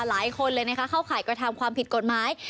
หลายคนเลยนะคะเข้าข่ายกระทำความผิดกฎหมาย